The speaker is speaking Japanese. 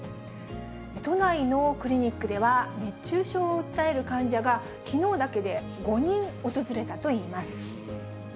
都内のクリニックでは、熱中症を訴える患者が、きのうだけで５人訪れたといいます。